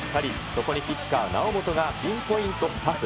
そこにキッカー、猶本がピンポイントパス。